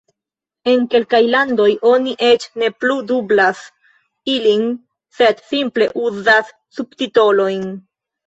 En kelkaj landoj oni eĉ ne plu dublas ilin, sed simple uzas subtitolojn.